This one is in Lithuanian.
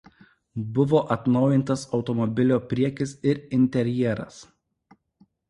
Buvo atnaujintas automobilio priekis ir interjeras.